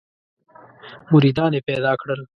مریدان یې پیدا کړل.